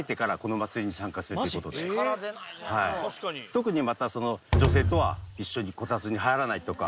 特に女性とは一緒にコタツに入らないとか。